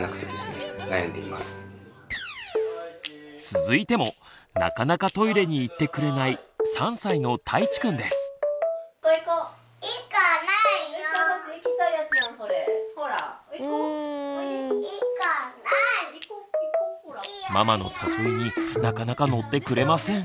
続いてもなかなかトイレに行ってくれないママの誘いになかなか乗ってくれません。